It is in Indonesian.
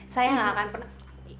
saya gak akan pernah